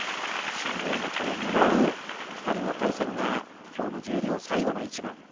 新入幕をねらう２人の対戦がきょうの十両最後の一番。